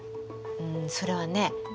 んそれはね